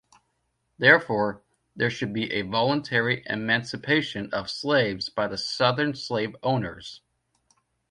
Therefore there should be a voluntary emancipation of slaves by the Southern slave owners.